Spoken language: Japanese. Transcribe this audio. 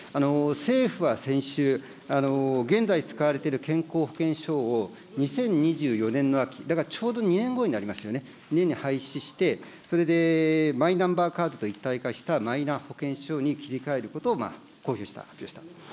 政府は先週、現在使われている健康保険証を２０２４年の秋、だからちょうど２年後になりますよね、廃止して、それでマイナンバーカードと一体化したマイナ保険証に切り替えることを公表した、発表したと。